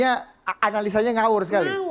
jadi analisanya ngawur sekali